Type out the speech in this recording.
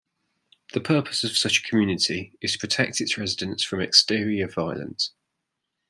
The purpose of such a community is to protect its residents from exterior violence.